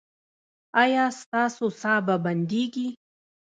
ایا ستاسو ساه به بندیږي؟